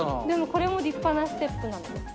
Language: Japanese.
でもこれも立派なステップなので。